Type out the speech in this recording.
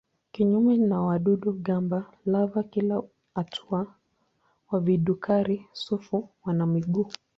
Kinyume na wadudu-gamba lava wa kila hatua wa vidukari-sufu wana miguu.